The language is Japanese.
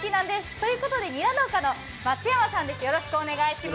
ということで、ニラ農家の松山さんです。